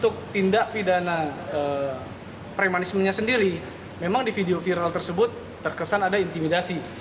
karena premanismenya sendiri memang di video viral tersebut terkesan ada intimidasi